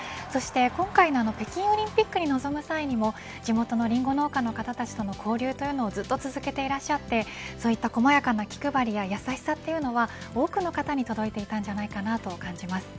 今回の北京オリンピックに臨む際に地元のリンゴ農家の方との交流をずっと続けていてそういった細やかな気配りや優しさは多くの方に届いていたと感じます。